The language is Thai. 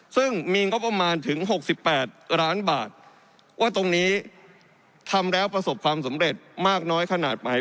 ซึ่งมีงบประมาณถึง๖๘ล้านบาทว่าตรงนี้ทำแล้วประสบความสำเร็จมากน้อยขนาดไหน